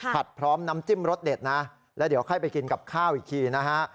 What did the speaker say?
พร้อมน้ำจิ้มรสเด็ดนะแล้วเดี๋ยวค่อยไปกินกับข้าวอีกทีนะฮะ